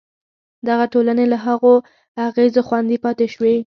دغه ټولنې له هغو اغېزو خوندي پاتې شوې.